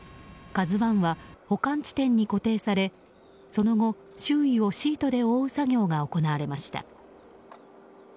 「ＫＡＺＵ１」は保管地点に固定されその後、周囲をシートで覆う作業が行われました。